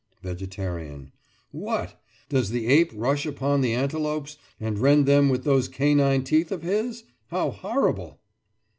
VEGETARIAN: What! Does the ape rush upon the antelopes, and rend them with those canine teeth of his? How horrible!